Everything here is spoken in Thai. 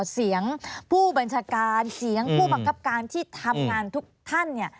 เสียงผู้บัญชาการเสียงผู้บังคับการที่ทำงานทุกท่านเนี่ย